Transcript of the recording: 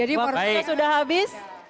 waktu sudah habis